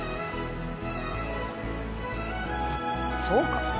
そうか？